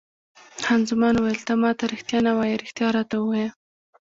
خان زمان وویل: ته ما ته رښتیا نه وایې، رښتیا راته ووایه.